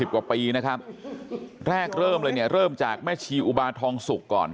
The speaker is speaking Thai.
กว่าปีนะครับแรกเริ่มเลยเนี่ยเริ่มจากแม่ชีอุบาทองสุกก่อน